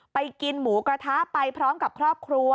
กินหมูกระทะไปพร้อมกับครอบครัว